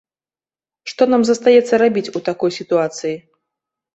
Што нам застаецца рабіць у такой сітуацыі?